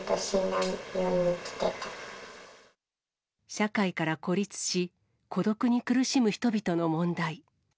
社会から孤立し、孤独に苦しむ人々の問題。